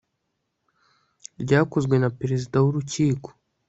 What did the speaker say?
ryakozwe na perezida w urukiko